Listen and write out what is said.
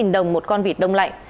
tám mươi đồng một con vịt đông lạnh